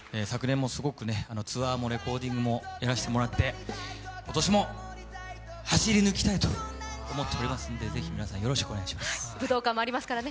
昨年もすごくツアーもレコーディングもやらせていただいて今年も走り抜きたいと思っていますので皆さん、よろしくお願いします。